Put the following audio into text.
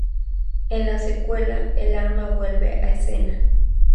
En la secuela el arma vuelve a escena.